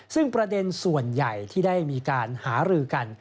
ซึ่งประเด็นส่วนใหญ่ที่ได้มีการหารือกัน